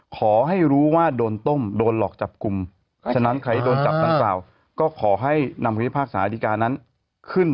ขอให้รู้ว่าโดนต้มโดนหลอกจับกลุ่มฉะนั้นใครโดนจับดังกล่าวก็ขอให้นำคำพิพากษาดีการนั้นขึ้น